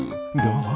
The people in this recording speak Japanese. どう？